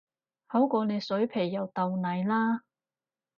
好過你水皮又豆泥啦